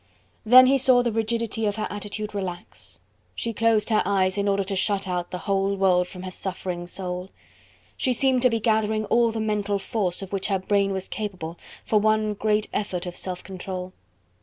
Then he saw the rigidity of her attitude relax. She closed her eyes in order to shut out the whole world from her suffering soul. She seemed to be gathering all the mental force of which her brain was capable, for one great effort of self control.